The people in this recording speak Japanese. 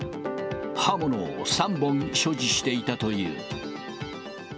刃物を３本所持していたという。